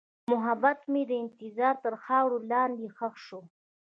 محبت مې د انتظار تر خاورې لاندې ښخ شو.